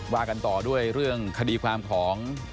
ว่ากันต่อด้วยเรื่องคดีความของ